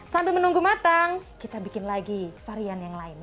sambil menunggu matang kita bikin lagi varian yang lain